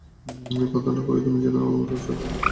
প্রার্থনা করি তুমি যেন আমার পাশে আরও অনেক দিন থাকতে পারো।